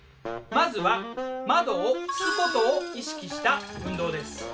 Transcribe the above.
まずは窓を拭くことを意識した運動です。